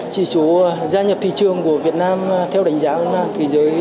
chỉ số gia nhập thị trường của việt nam theo đánh giá là thế giới